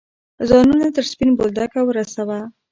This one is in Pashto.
ځانونه تر سپین بولدکه ورسوه.